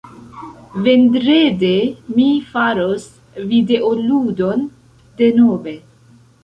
Vendrede... mi faros videoludon, denove.